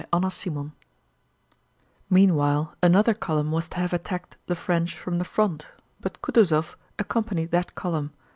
CHAPTER VII Meanwhile another column was to have attacked the French from the front, but Kutúzov accompanied that column.